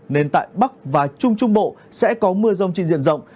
nên tại bắc và trung trung bộ sẽ có mưa rông trên diện rộng